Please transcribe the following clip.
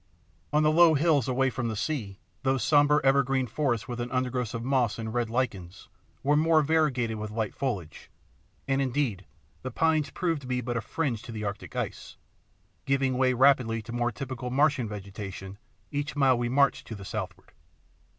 On the low hills away from the sea those sombre evergreen forests with an undergrowth of moss and red lichens were more variegated with light foliage, and indeed the pines proved to be but a fringe to the Arctic ice, giving way rapidly to more typical Martian vegetation each mile we marched to the southward.